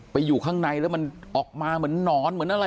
อยู่ข้างในแล้วมันออกมาเหมือนหนอนเหมือนอะไร